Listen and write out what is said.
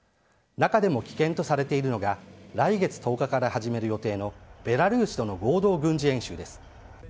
中でも危険とされているのが、来月１０日から始める予定のベラルーシとの合同軍事演習です。